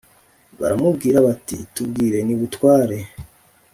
Baramubwira bati tubwire ni butware